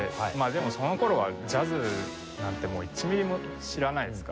でもその頃はジャズなんてもう１ミリも知らないですから。